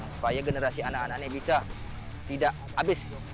supaya generasi anak anak ini bisa tidak habis